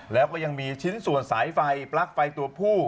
แล้วก็ยังมีชิ้นส่วนสายไฟปลั๊กไฟตัวผู้